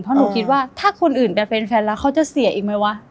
เพราะหนูคิดว่าถ้าคนอื่นไปเป็นแฟนแล้วเขาจะเสียอีกไหมวะ